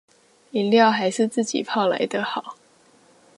飲料還是自己泡來的好